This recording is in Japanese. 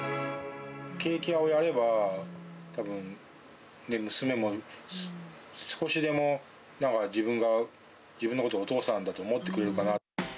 ケーキ屋をやれば、たぶん娘も、少しでも、なんか自分が、自分のことをお父さんだと思ってくれるかな。